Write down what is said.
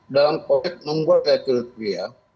dalam proyek membuat kriteria